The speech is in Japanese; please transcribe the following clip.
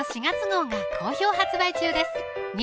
４月号が好評発売中です